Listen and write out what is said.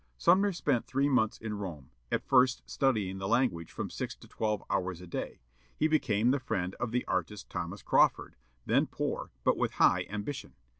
Sumner spent three months in Rome, at first studying the language from six to twelve hours a day. He became the friend of the artist Thomas Crawford, then poor, but with high ambition.